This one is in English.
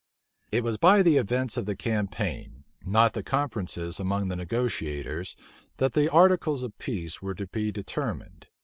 It was by the events of the campaign, not the conferences among the negotiators, that the articles of peace were to be determined.